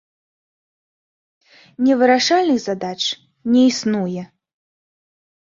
Невырашальных задач не існуе.